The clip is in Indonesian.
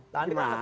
tidak ada masalah